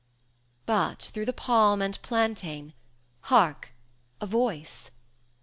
XVIII. But through the palm and plantain, hark, a Voice!